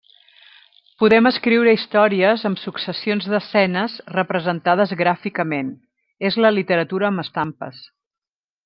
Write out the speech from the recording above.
Podem escriure històries, amb successions d'escenes, representades gràficament: és la literatura amb estampes.